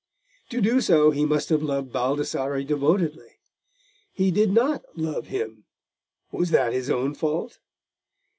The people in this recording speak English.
To do so he must have loved Baldassarre devotedly, and he did not love him: was that his own fault?